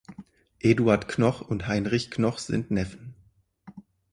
Eduard Knoch und Heinrich Knoch sind Neffen.